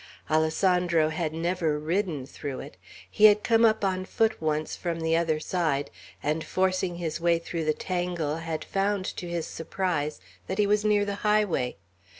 Alessandro had never ridden through it; he had come up on foot once from the other side, and, forcing his way through the tangle had found, to his surprise, that he was near the highway.